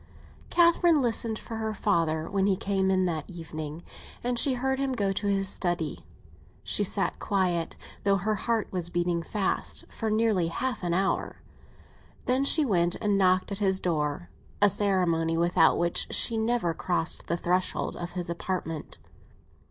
XI CATHERINE listened for her father when he came in that evening, and she heard him go to his study. She sat quiet, though her heart was beating fast, for nearly half an hour; then she went and knocked at his door—a ceremony without which she never crossed the threshold of this apartment.